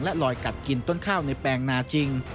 ลอยกัดกินต้นข้าวในแปลงนาจริง